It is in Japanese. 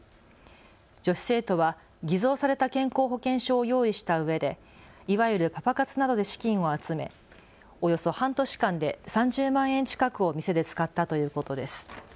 女子生徒は偽造された健康保険証を用意したうえでいわゆるパパ活などで資金を集めおよそ半年間で３０万円近くを店で使ったということです。